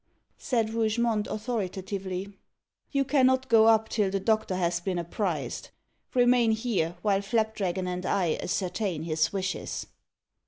said Rougemont authoritatively. "You cannot go up till the doctor has been apprised. Remain here, while Flapdragon and I ascertain his wishes."